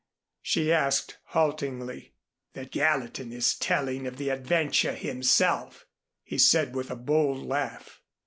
she asked haltingly. "That Gallatin is telling of the adventure himself," he said with a bold laugh.